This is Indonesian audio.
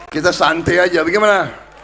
kita santai aja bagaimana